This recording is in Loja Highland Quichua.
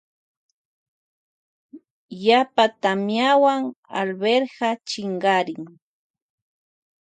Yapa tamiawan arveja chinkarin.